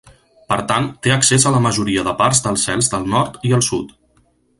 Per tant, té accés a la majoria de parts dels cels del nord i el sud.